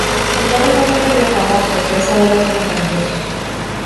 El barco en el que viajaban fue presa de los elementos.